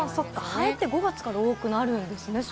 蝿って５月から多くなるんですね。